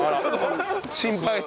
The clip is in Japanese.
心配。